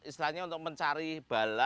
istilahnya untuk mencari berita